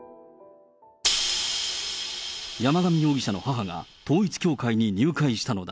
山上容疑者の母が、統一教会に入会したのだ。